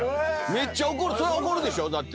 めっちゃ怒るそら怒るでしょだって。